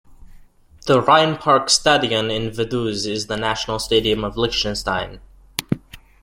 The Rheinpark Stadion in Vaduz is the national stadium of Liechtenstein.